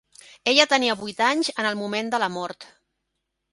Ella tenia vuit anys en el moment de la mort.